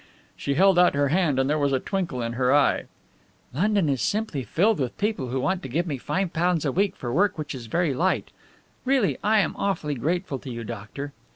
She held out her hand, and there was a twinkle in her eye. "London is simply filled with people who want to give me £5 a week for work which is very light; really I am awfully grateful to you, doctor."